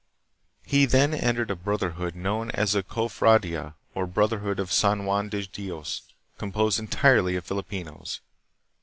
He then entered a 264 THE PHILIPPINES. brotherhood known as the Cofradia, or Brotherhood of San Juan de Dios, composed entirely of Filipinos.